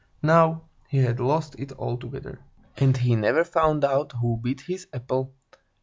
Now, he had lost it altogether. And he never found out who bit his apple.